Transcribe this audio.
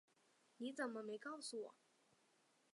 你怎么没告诉我